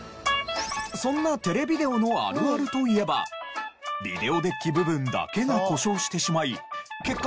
そんなテレビデオのあるあるといえばビデオデッキ部分だけが故障してしまい結果